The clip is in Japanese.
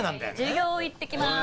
授業いってきます。